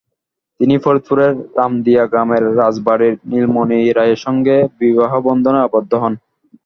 তিনি ফরিদপুরের রামদিয়া গ্রামের রাজবাড়ির নীলমনি রায়ের সঙ্গে বিবাহবন্ধনে আবদ্ধ হন।